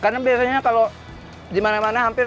karena biasanya kalau di mana mana hampir